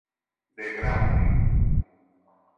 De Grandi